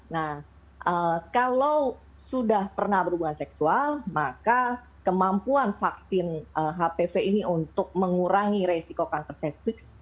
nah kalau sudah pernah berhubungan seksual maka kemampuan vaksin hpv ini untuk mengurangi resiko kanker cektris